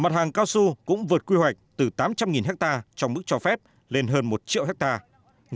mặt hàng cao su cũng vượt quy hoạch từ tám trăm linh hectare trong mức cho phép lên hơn một triệu hectare